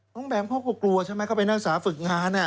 ต้องแบบเขาก็กลัวใช่ไหมเขาไปนั่งสารฝึกงานนี่